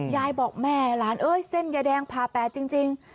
ยายบอกแม่หลานเอ้ยเส้นยายแดงผ่าแปดจริง